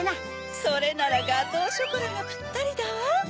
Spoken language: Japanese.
それならガトーショコラがピッタリだわ。